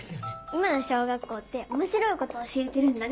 今の小学校って面白いこと教えてるんだね。